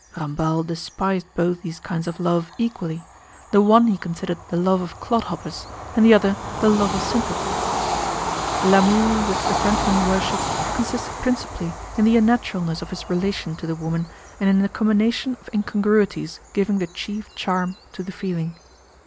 (Ramballe despised both these kinds of love equally: the one he considered the "love of clodhoppers" and the other the "love of simpletons.") L'amour which the Frenchman worshiped consisted principally in the unnaturalness of his relation to the woman and in a combination of incongruities giving the chief charm to the feeling.